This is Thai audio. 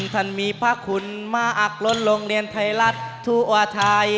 ท่านมีพระคุณมาอักล้นโรงเรียนไทยรัฐทั่วไทย